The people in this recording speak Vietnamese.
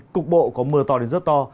cục bộ có mưa to đến rất to